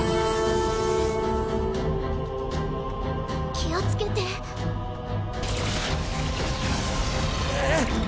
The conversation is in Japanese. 気をつけてううっ！